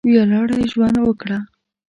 وياړلی ژوند وکړه!